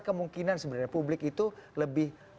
kemungkinan sebenarnya publik itu lebih